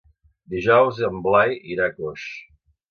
Dijous en Blai irà a Coix.